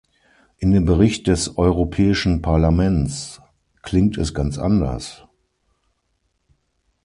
In dem Bericht des Europäischen Parlaments klingt es ganz anders.